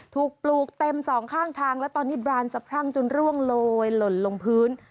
ปลูกเต็มสองข้างทางแล้วตอนนี้บรานสะพรั่งจนร่วงโลยหล่นลงพื้น